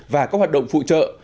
và các hoạt động phụ trợ